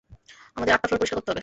আমাদের আটটা ফ্লোর পরিষ্কার করতে হবে!